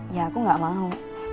ya aku gak mau